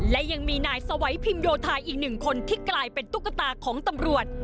และยังมีนายสวัยพิมโยธาอีกหนึ่งคนที่กลายเป็นตุ๊กตาของตำรวจ